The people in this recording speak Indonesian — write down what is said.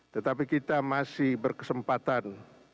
tetapi kita masih berkesempatan